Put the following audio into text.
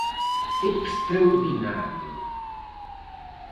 Extraordinario.